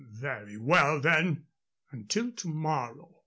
"Very well, then! Until to morrow."